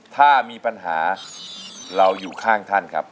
ถ้ามีปัญหาเราอยู่ข้างท่านครับ